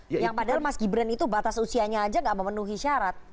yang padahal mas gibran itu batas usianya aja nggak memenuhi syarat